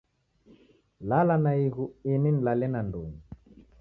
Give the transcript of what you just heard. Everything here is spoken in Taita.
Lala naighu ini nilale nandonyi